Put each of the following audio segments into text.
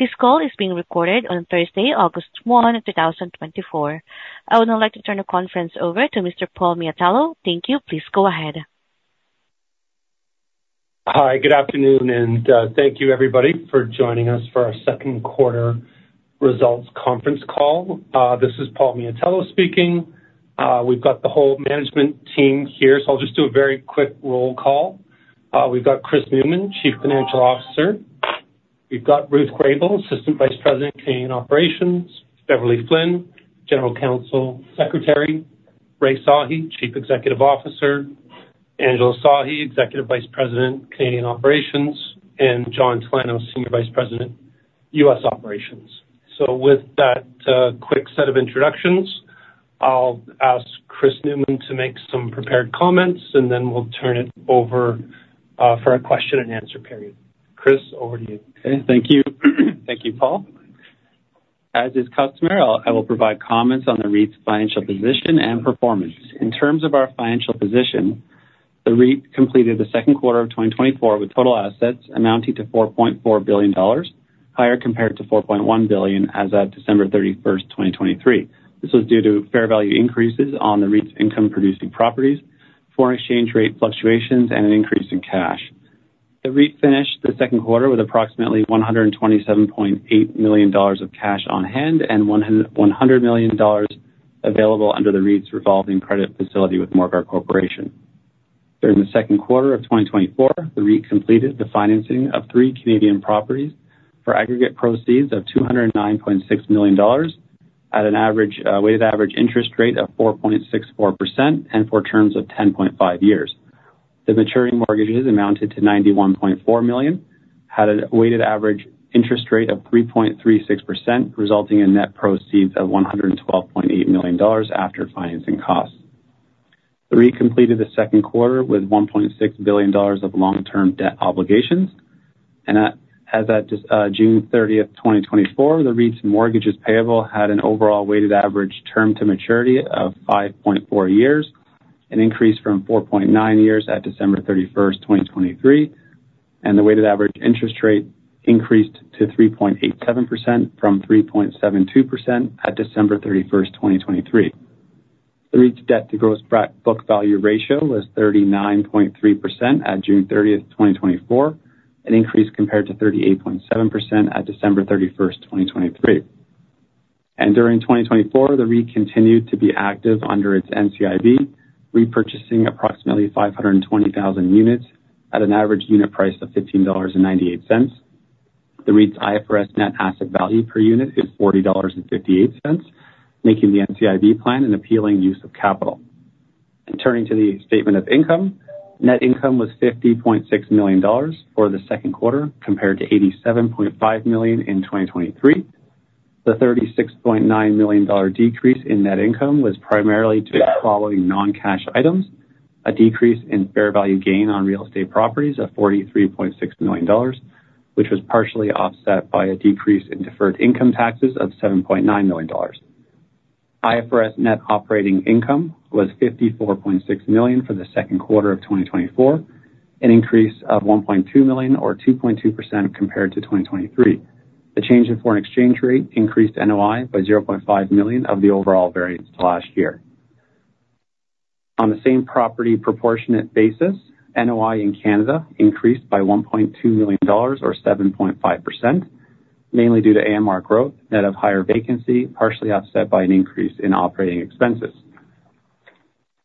This call is being recorded on Thursday, August 1, 2024. I would now like to turn the conference over to Mr. Paul Miatello. Thank you. Please go ahead. Hi, good afternoon, and thank you, everybody, for joining us for our second quarter results conference call. This is Paul Miatello speaking. We've got the whole management team here, so I'll just do a very quick roll call. We've got Chris Newman, Chief Financial Officer. We've got Ruth Griebel, Assistant Vice President, Canadian Operations. Beverley Flynn, General Counsel, Secretary. Rai Sahi, Chief Executive Officer. Angela Sahi, Executive Vice President, Canadian Operations, and John Talano, Senior Vice President, U.S. Operations. So with that, quick set of introductions, I'll ask Chris Newman to make some prepared comments, and then we'll turn it over for a question-and-answer period. Chris, over to you. Okay, thank you. Thank you, Paul. As is customary, I will provide comments on the REIT's financial position and performance. In terms of our financial position, the REIT completed the second quarter of 2024 with total assets amounting to 4.4 billion dollars, higher compared to 4.1 billion as of December 31, 2023. This was due to fair value increases on the REIT's income-producing properties, foreign exchange rate fluctuations, and an increase in cash. The REIT finished the second quarter with approximately 127.8 million dollars of cash on hand and 100 million dollars available under the REIT's revolving credit facility with Morguard Corporation. During the second quarter of 2024, the REIT completed the financing of three Canadian properties for aggregate proceeds of 209.6 million dollars at an average weighted average interest rate of 4.64% and for terms of 10.5 years. The maturing mortgages amounted to 91.4 million, had a weighted average interest rate of 3.36%, resulting in net proceeds of 112.8 million dollars after financing costs. The REIT completed the second quarter with 1.6 billion dollars of long-term debt obligations, and as at June 13th, 2024, the REIT's mortgages payable had an overall weighted average term to maturity of 5.4 years, an increase from 4.9 years at December 31st, 2023, and the weighted average interest rate increased to 3.87% from 3.72% at December 31st, 2023. The REIT's debt to gross book value ratio was 39.3% at June 30th, 2024, an increase compared to 38.7% at December 31st, 2023. During 2024, the REIT continued to be active under its NCIB, repurchasing approximately 520,000 units at an average unit price of 15.98 dollars. The REIT's IFRS net asset value per unit is 40.58 dollars, making the NCIB plan an appealing use of capital. Turning to the statement of income, net income was 50.6 million dollars for the second quarter, compared to 87.5 million in 2023. The 36.9 million dollar decrease in net income was primarily due to the following non-cash items: a decrease in fair value gain on real estate properties of 43.6 million dollars, which was partially offset by a decrease in deferred income taxes of 7.9 million dollars. IFRS net operating income was 54.6 million for the second quarter of 2024, an increase of 1.2 million or 2.2% compared to 2023. The change in foreign exchange rate increased NOI by 0.5 million of the overall variance to last year. On the same property proportionate basis, NOI in Canada increased by 1.2 million dollars or 7.5%, mainly due to AMR growth, net of higher vacancy, partially offset by an increase in operating expenses.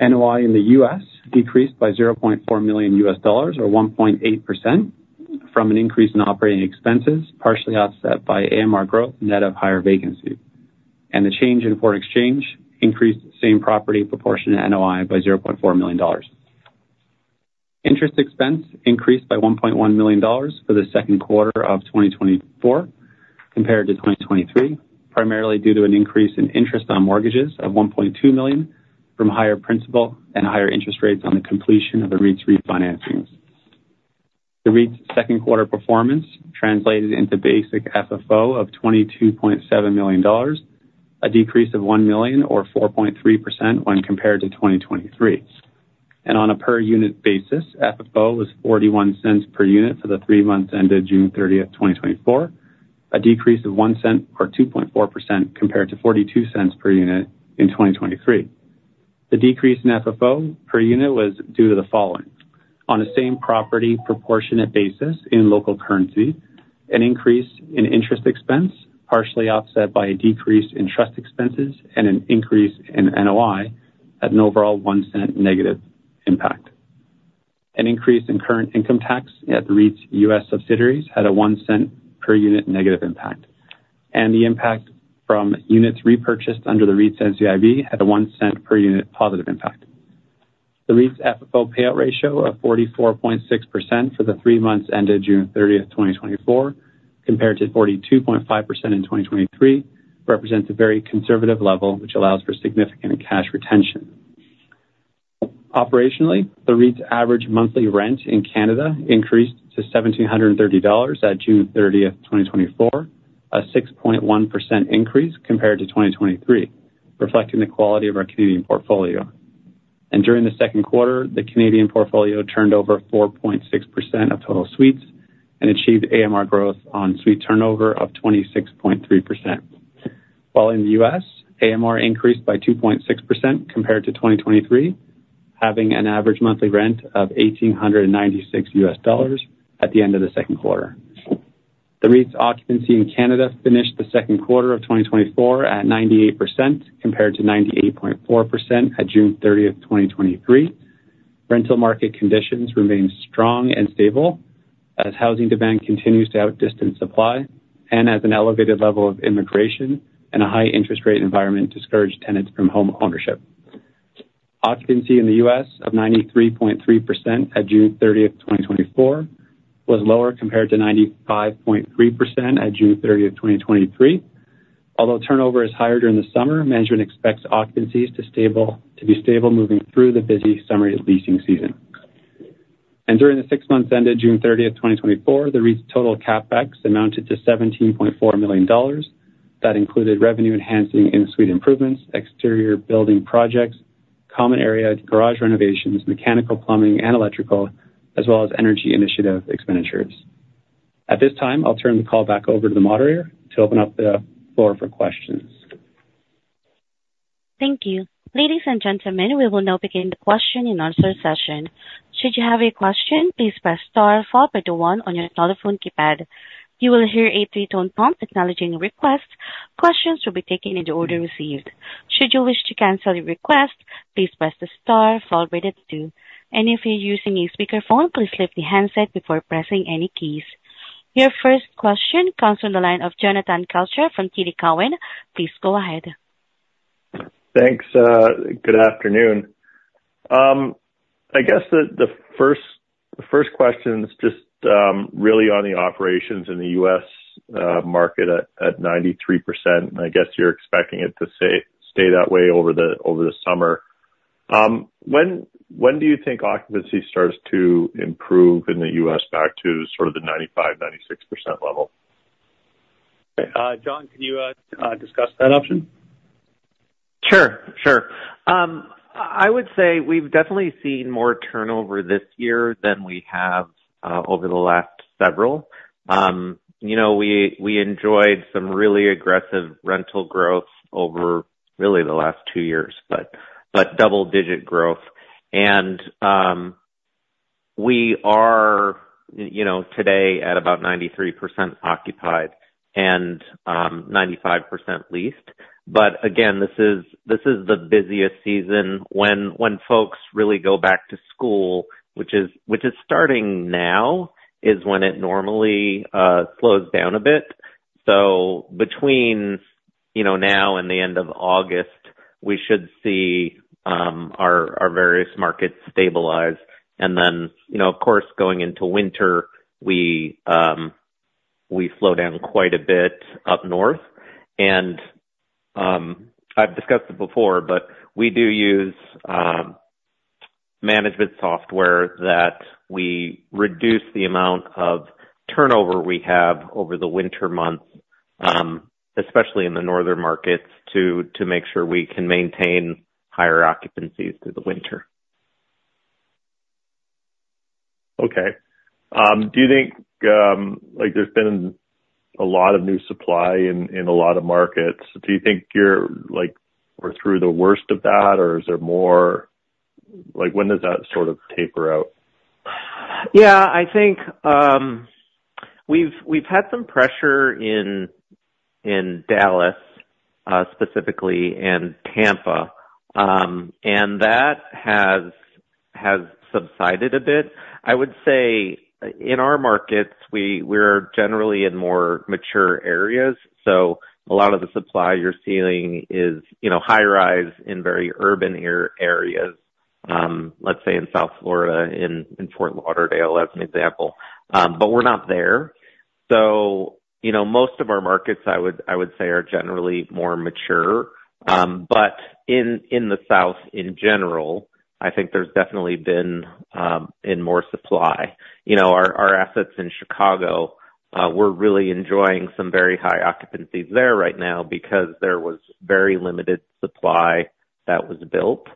NOI in the US decreased by $0.4 million or 1.8% from an increase in operating expenses, partially offset by AMR growth, net of higher vacancy. The change in foreign exchange increased same property proportionate NOI by 0.4 million dollars. Interest expense increased by 1.1 million dollars for the second quarter of 2024 compared to 2023, primarily due to an increase in interest on mortgages of 1.2 million from higher principal and higher interest rates on the completion of the REIT's refinancings. The REIT's second quarter performance translated into basic FFO of 22.7 million dollars, a decrease of 1 million or 4.3% when compared to 2023. On a per unit basis, FFO was 0.41 per unit for the three months ended June 30, 2024, a decrease of 0.01 or 2.4% compared to 0.42 per unit in 2023. The decrease in FFO per unit was due to the following: On the same property proportionate basis in local currency, an increase in interest expense, partially offset by a decrease in trust expenses and an increase in NOI at an overall 0.01 negative impact. An increase in current income tax at the REIT's U.S. subsidiaries had a 0.01 per unit negative impact, and the impact from units repurchased under the REIT's NCIB had a 0.01 per unit positive impact. The REIT's FFO payout ratio of 44.6% for the three months ended June thirtieth, 2024, compared to 42.5% in 2023, represents a very conservative level, which allows for significant cash retention. Operationally, the REIT's average monthly rent in Canada increased to 1,730 dollars at June 30th, 2024, a 6.1% increase compared to 2023, reflecting the quality of our Canadian portfolio. During the second quarter, the Canadian portfolio turned over 4.6% of total suites and achieved AMR growth on suite turnover of 26.3%, while in the U.S., AMR increased by 2.6% compared to 2023, having an average monthly rent of $1,896 at the end of the second quarter. The REIT's occupancy in Canada finished the second quarter of 2024 at 98%, compared to 98.4% at June 30, 2023. Rental market conditions remain strong and stable as housing demand continues to outdistance supply and as an elevated level of immigration and a high interest rate environment discourage tenants from homeownership. Occupancy in the US of 93.3% at June 30th, 2024, was lower compared to 95.3% at June 30th, 2023. Although turnover is higher during the summer, management expects occupancies to be stable moving through the busy summer leasing season. During the six months ended June 30th, 2024, the REIT's total CapEx amounted to 17.4 million dollars. That included revenue-enhancing in-suite improvements, exterior building projects, common area garage renovations, mechanical, plumbing, and electrical, as well as energy initiative expenditures. At this time, I'll turn the call back over to the moderator to open up the floor for questions. Thank you. Ladies and gentlemen, we will now begin the question-and-answer session. Should you have a question, please press star four by the one on your telephone keypad. You will hear a three-tone prompt acknowledging your request. Questions will be taken in the order received. Should you wish to cancel your request, please press the star four followed by the two. If you're using a speakerphone, please lift the handset before pressing any keys. Your first question comes from the line of Jonathan Kelcher from TD Cowen. Please go ahead. Thanks. Good afternoon. I guess the first question is just really on the operations in the U.S. market at 93%. I guess you're expecting it to stay that way over the summer. When do you think occupancy starts to improve in the U.S. back to sort of the 95%-96% level? John, can you discuss that option? Sure, sure. I would say we've definitely seen more turnover this year than we have over the last several. You know, we enjoyed some really aggressive rental growth over really the last two years, but double-digit growth. And we are, you know, today at about 93% occupied and 95% leased. But again, this is the busiest season. When folks really go back to school, which is starting now, is when it normally slows down a bit. So between, you know, now and the end of August, we should see our various markets stabilize. And then, you know, of course, going into winter, we slow down quite a bit up north. I've discussed it before, but we do use management software that we reduce the amount of turnover we have over the winter months, especially in the northern markets, to make sure we can maintain higher occupancies through the winter. Okay. Do you think, like, there's been a lot of new supply in a lot of markets, do you think you're like, we're through the worst of that, or is there more? Like, when does that sort of taper out? Yeah, I think, we've, we've had some pressure in, in Dallas, specifically in Tampa, and that has, has subsided a bit. I would say in our markets, we're generally in more mature areas, so a lot of the supply you're seeing is, you know, high rise in very urban areas. Let's say in South Florida, in, in Fort Lauderdale, as an example. But we're not there. So, you know, most of our markets, I would, I would say, are generally more mature. But in, in the south in general, I think there's definitely been, in more supply. You know, our, our assets in Chicago, we're really enjoying some very high occupancies there right now because there was very limited supply that was built.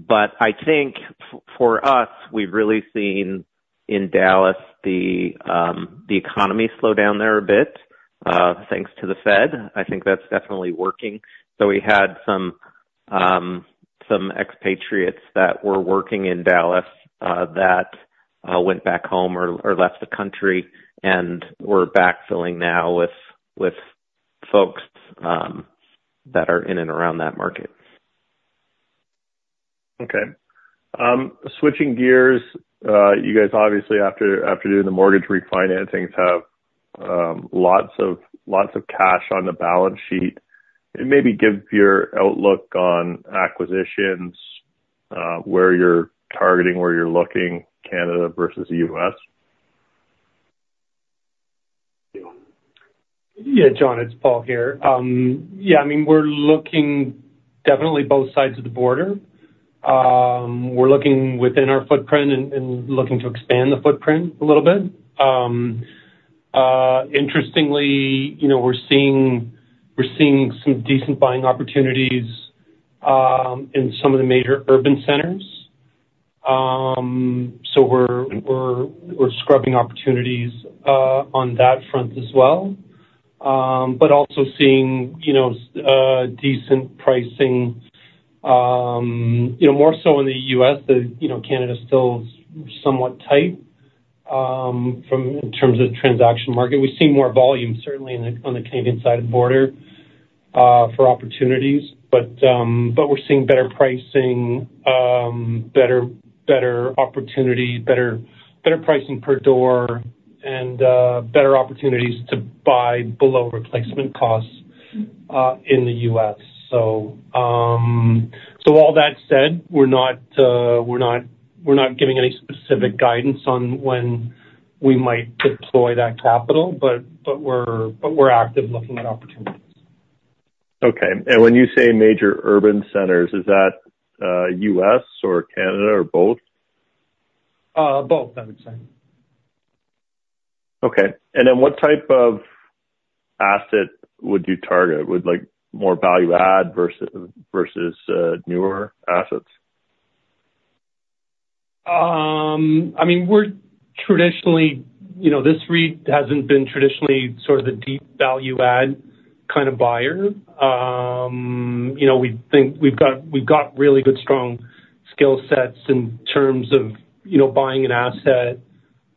But I think for us, we've really seen in Dallas the economy slow down there a bit, thanks to the Fed. I think that's definitely working. So we had some expatriates that were working in Dallas, that went back home or left the country and we're backfilling now with folks that are in and around that market. Okay. Switching gears, you guys obviously, after doing the mortgage refinancings, have lots of cash on the balance sheet. And maybe give your outlook on acquisitions, where you're targeting, where you're looking, Canada versus the U.S. Yeah, John, it's Paul here. Yeah, I mean, we're looking definitely both sides of the border. We're looking within our footprint and, and looking to expand the footprint a little bit. Interestingly, you know, we're seeing some decent buying opportunities in some of the major urban centers. So we're scrubbing opportunities on that front as well. But also seeing, you know, decent pricing, you know, more so in the U.S., than you know, Canada is still somewhat tight from in terms of transaction market. We've seen more volume, certainly on the Canadian side of the border for opportunities. But we're seeing better pricing, better opportunity, better pricing per door and better opportunities to buy below replacement costs in the U.S. So all that said, we're not giving any specific guidance on when we might deploy that capital, but we're active looking at opportunities. Okay. And when you say major urban centers, is that, U.S., or Canada or both? Both, I would say. Okay. And then, what type of asset would you target? Would like more value add versus, newer assets? I mean, we're traditionally, you know, this REIT hasn't been traditionally sort of the deep value add kind of buyer. You know, we think we've got, we've got really good, strong skill sets in terms of, you know, buying an asset,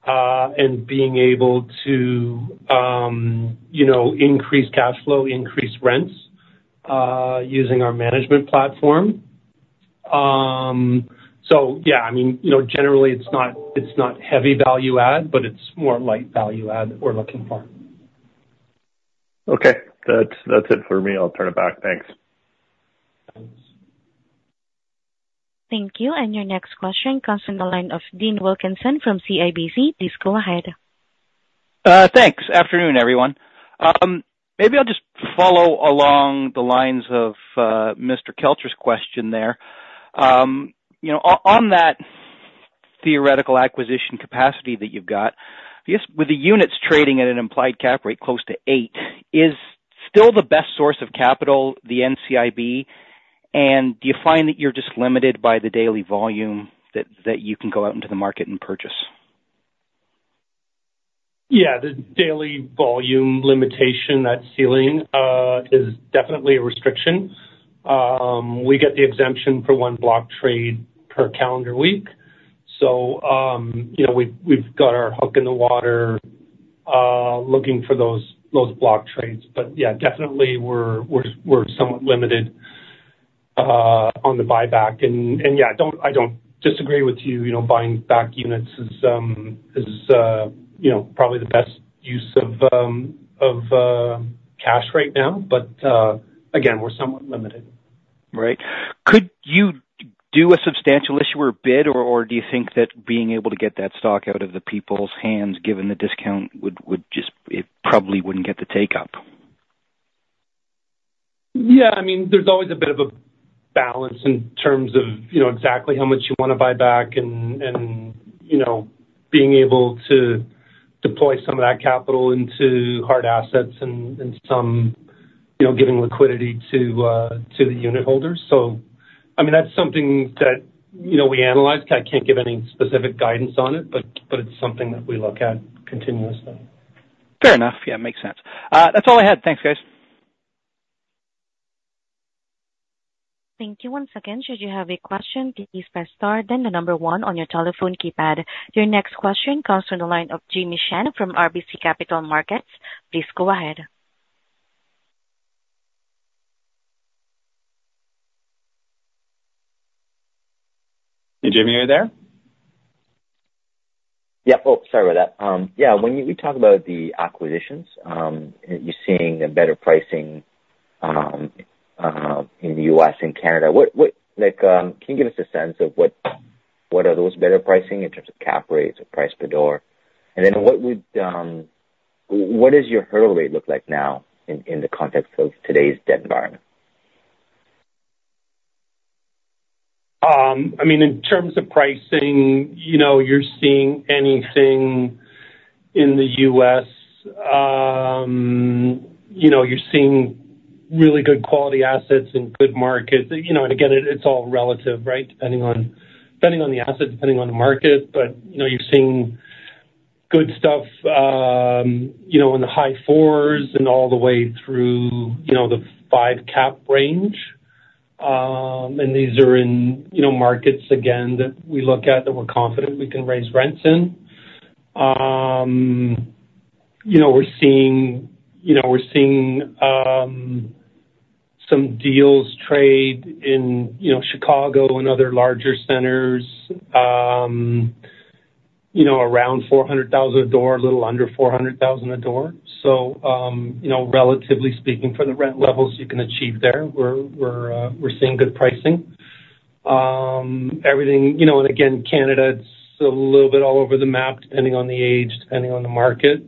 and being able to, you know, increase cash flow, increase rents, using our management platform. So yeah, I mean, you know, generally, it's not, it's not heavy value add, but it's more light value add that we're looking for. Okay. That's, that's it for me. I'll turn it back. Thanks. Thank you. Your next question comes from the line of Dean Wilkinson from CIBC. Please go ahead. Thanks. Afternoon, everyone. Maybe I'll just follow along the lines of Mr. Kelcher's question there. You know, on that theoretical acquisition capacity that you've got, I guess with the units trading at an implied cap rate close to eight, is still the best source of capital, the NCIB, and do you find that you're just limited by the daily volume that you can go out into the market and purchase? Yeah. The daily volume limitation, that ceiling, is definitely a restriction. We get the exemption for one block trade per calendar week. So, you know, we've got our hook in the water, looking for those block trades. But yeah, definitely we're somewhat limited on the buyback. And yeah, I don't disagree with you, you know, buying back units is, you know, probably the best use of cash right now, but again, we're somewhat limited. Right. Could you do a Substantial Issuer Bid, or, or do you think that being able to get that stock out of the people's hands, given the discount, would, would just. It probably wouldn't get the take up? Yeah, I mean, there's always a bit of a balance in terms of, you know, exactly how much you wanna buy back and, you know, being able to deploy some of that capital into hard assets and some, you know, giving liquidity to the unitholders. So, I mean, that's something that, you know, we analyze. I can't give any specific guidance on it, but it's something that we look at continuously. Fair enough. Yeah, makes sense. That's all I had. Thanks, guys. Thank you. Once again, should you have a question, please press star, then the number one on your telephone keypad. Your next question comes from the line of Jimmy Shan from RBC Capital Markets. Please go ahead. Hey, Jimmy, are you there? Yeah. Oh, sorry about that. Yeah, when we talk about the acquisitions, you're seeing a better pricing in the US and Canada. What. Like, can you give us a sense of what are those better pricing in terms of cap rates or price per door? And then what would what does your hurdle rate look like now in the context of today's debt environment? I mean, in terms of pricing, you know, you're seeing anything in the U.S., you know, you're seeing really good quality assets and good markets. You know, and again, it, it's all relative, right? Depending on the asset, depending on the market. But, you know, you're seeing good stuff, you know, in the high fours and all the way through, you know, the five cap range. And these are in, you know, markets again, that we look at, that we're confident we can raise rents in. You know, we're seeing some deals trade in, you know, Chicago and other larger centers, you know, around $400,000 a door, a little under $400,000 a door. So, you know, relatively speaking, for the rent levels you can achieve there, we're seeing good pricing. Everything, you know. And again, Canada, it's a little bit all over the map, depending on the age, depending on the market.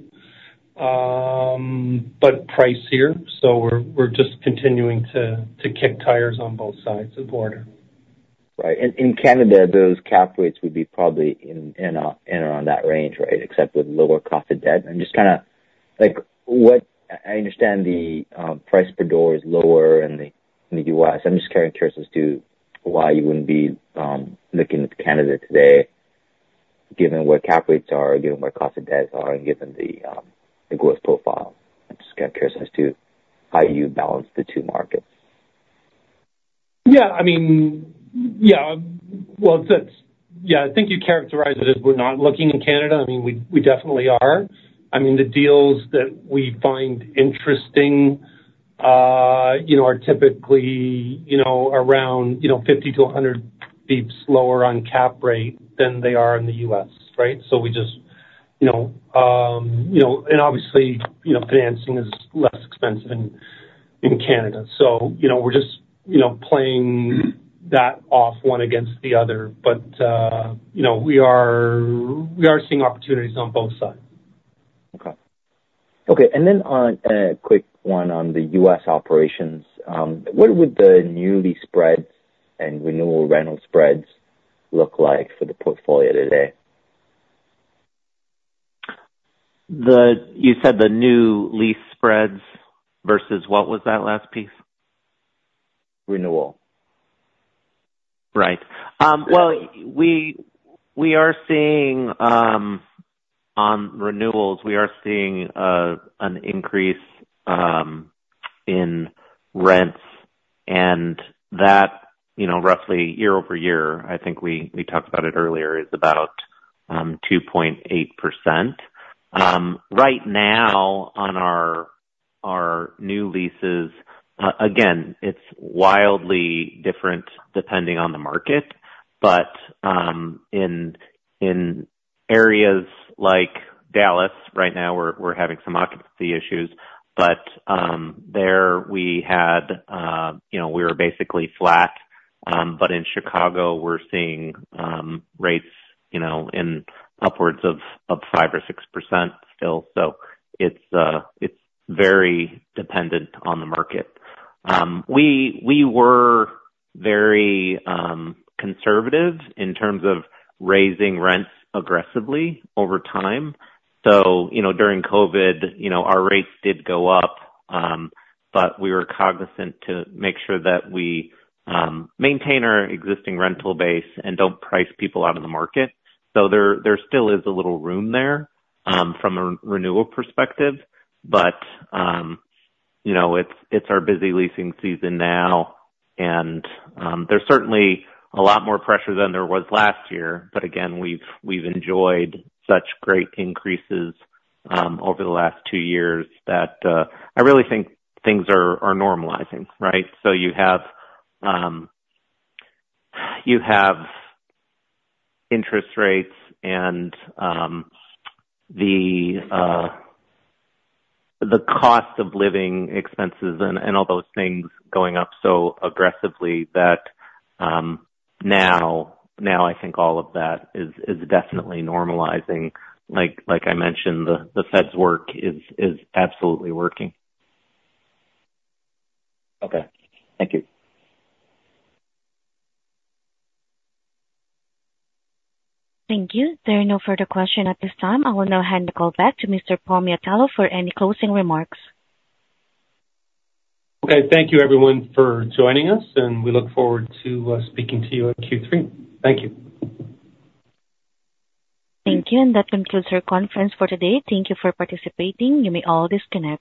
But pricier, so we're just continuing to kick tires on both sides of the border. Right. And in Canada, those cap rates would be probably in around that range, right? Except with lower cost of debt. I'm just kind of, I understand the price per door is lower in the U.S. I'm just kind of curious as to why you wouldn't be looking at Canada today, given where cap rates are, given where cost of debts are, and given the growth profile. I'm just kind of curious as to how you balance the two markets. Yeah, I mean, yeah, well, that's. Yeah, I think you characterize it as we're not looking in Canada. I mean, we, we definitely are. I mean, the deals that we find interesting, you know, are typically, you know, around, you know, 50-100 basis points lower on cap rate than they are in the U.S., right? So we just, you know, and obviously, you know, financing is less expensive in, in Canada. So, you know, we're just, you know, playing that off one against the other. But, you know, we are, we are seeing opportunities on both sides. Okay. Okay, and then on quick one on the U.S. operations, what would the new lease spreads and renewal rental spreads look like for the portfolio today? You said the new lease spreads versus what was that last piece? Renewal. Right. Well, we are seeing on renewals, we are seeing an increase in rents and that, you know, roughly year-over-year, I think we talked about it earlier, is about 2.8%. Right now, on our new leases, again, it's wildly different depending on the market, but in areas like Dallas, right now, we're having some occupancy issues. But there we had, you know, we were basically flat, but in Chicago, we're seeing rates, you know, in upwards of 5% or 6% still. So it's very dependent on the market. We were very conservative in terms of raising rents aggressively over time. So, you know, during COVID, you know, our rates did go up, but we were cognizant to make sure that we maintain our existing rental base and don't price people out of the market. So there still is a little room there, from a renewal perspective, but, you know, it's our busy leasing season now, and, there's certainly a lot more pressure than there was last year, but again, we've enjoyed such great increases over the last two years that I really think things are normalizing, right? So you have interest rates and the cost of living expenses and all those things going up so aggressively that now I think all of that is definitely normalizing. Like I mentioned, the Fed's work is absolutely working. Okay. Thank you. Thank you. There are no further questions at this time. I will now hand the call back to Mr. Paul Miatello for any closing remarks. Okay. Thank you, everyone, for joining us, and we look forward to speaking to you on Q3. Thank you. Thank you, and that concludes our conference for today. Thank you for participating. You may all disconnect.